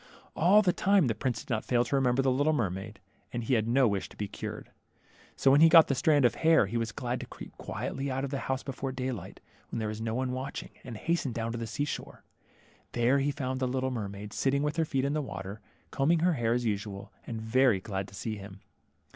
All the time, the prince did not fail to remember the little mermaid, and he had no wish to be cured. So when he got the strand of hair, he was glad to » creep quietly out of the house before daylight, when there was no one watching, and hasten down to the sea shore. There he found the little mermaid sitting with her feet in the water, combing her hair as usual, and very glad to see him.